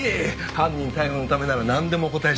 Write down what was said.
犯人逮捕のためならなんでもお答えしますよ。